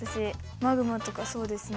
マグマとかそうですね。